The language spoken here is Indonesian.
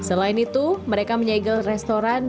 selain itu mereka menyegel restoran